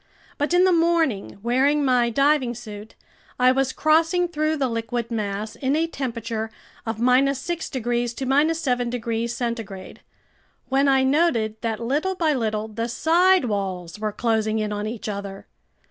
But in the morning, wearing my diving suit, I was crossing through the liquid mass in a temperature of 6 degrees to 7 degrees centigrade, when I noted that little by little the side walls were closing in on each other.